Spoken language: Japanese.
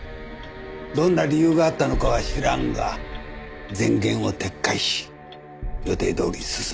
どんな理由があったのかは知らんが前言を撤回し予定どおり進めなさい。